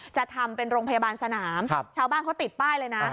จะทำเป็นโรงพยาบาลสนามชาวบ้านเขาติดป้ายเลยนะ